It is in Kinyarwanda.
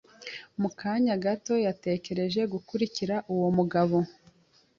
Mu kanya gato, yatekereje gukurikira uwo mugabo.